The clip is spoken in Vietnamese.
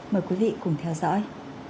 mời quý vị cùng theo dõi